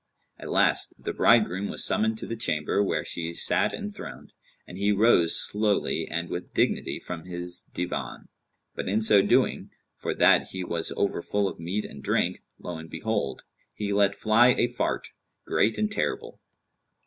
At last, the bridegroom was summoned to the chamber where she sat enthroned; and he rose slowly and with dignity from his divan; but in so doing, for that he was over full of meat and drink, lo and behold! he let fly a fart, great and terrible.